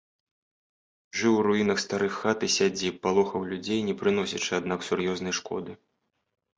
Жыў у руінах старых хат і сядзіб, палохаў людзей, не прыносячы, аднак, сур'ёзнай шкоды.